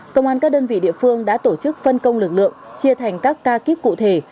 công an các đơn vị địa phương đã tổ chức phân công lực lượng chia thành các ca kíp cụ thể